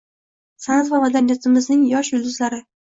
Sa’nat va madaniyatimizning yosh yulduzlari